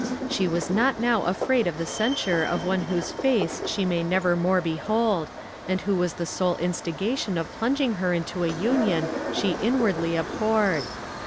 She was not now afraid of the censure of one whose face she may never more behold, and who was the sole instigation of plunging her into a union she inwardly abhorred.